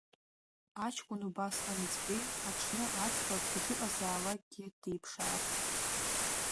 Аҷкәын убасҟан иӡбеит, аҽны аӡӷаб дахьыҟазаалакгьы диԥшаарц.